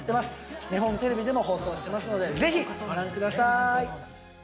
日本テレビでも放送していますので、ぜひご覧ください。